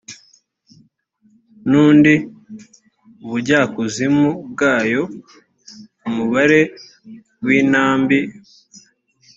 n undi ubujyakuzimu bwayo umubare w intambi